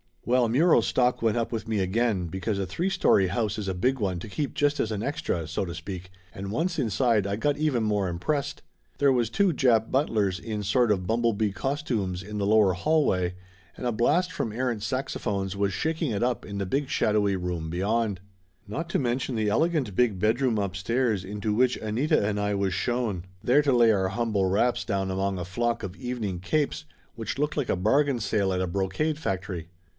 Well, Muro's stock went up with me again, because a three story house is a big one to keep just as an extra, so to speak, and once inside I got even more impressed. There was two Jap butlers in sort of bum blebee costumes in the lower hallway, and a blast from errant saxophones was shaking it up in the big shad owy room beyond. Not to mention the elegant big bedroom upstairs into which Anita and I was shown, there to lay our humble wraps down among a flock of evening capes which looked like a bargain sale at a brocade factory.